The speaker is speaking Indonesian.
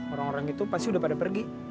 orang orang itu pasti udah pada pergi